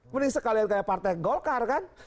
mending sekalian kayak partai golkar kan